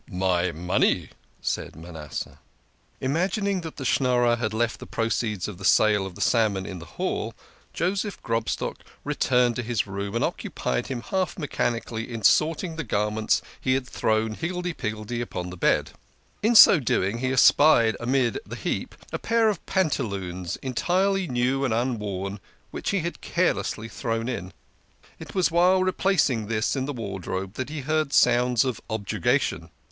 " My money !" said Manasseh. Imagining that the Schnorrer had left the proceeds of the sale of the salmon in the hall, Joseph Grobstock returned to his room, and occupied himself half mechanically in sort ing the garments he had thrown higgledy piggledy upon the bed. In so doing he espied amid the heap a pair of panta loons entirely new and unworn which he had carelessly thrown in. It was while replacing this in the wardrobe that he heard sounds of objurgation.